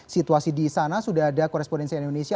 situasi di sana sudah ada korespondensi indonesia